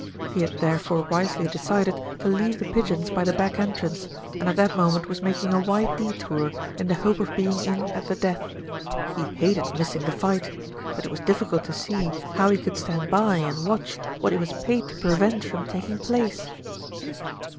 He had therefore wisely decided to LITTLE BILSTEAD ACHES WITH DRAMA 299 leave The Pigeons by the back entrance, and at that moment was making a wide detour, in the hope of being in at the death. He hated missing the fight; but it was difficult to see how he could stand by and watch what he was paid to prevent from taking place.